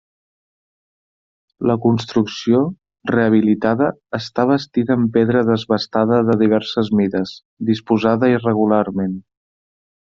La construcció, rehabilitada, està bastida en pedra desbastada de diverses mides, disposada irregularment.